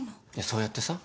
そうやってさ